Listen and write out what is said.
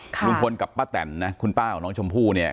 ลุงพลกับป้าแตนนะคุณป้าของน้องชมพู่เนี่ย